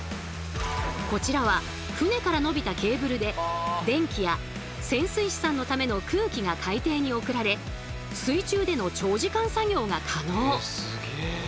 こちらは船から伸びたケーブルで電気や潜水士さんのための空気が海底に送られ水中での長時間作業が可能。